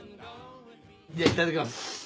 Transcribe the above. じゃあいただきます。